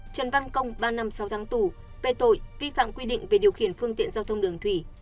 trần văn công ba năm sáu tháng tù về tội vi phạm quy định về điều khiển phương tiện giao thông đường thủy